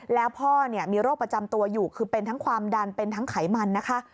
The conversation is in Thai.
แล้วพ่อมีโรคประจำตัวอยู่คือเป็นทั้งความดันเป็นทั้งไขมันนะคะ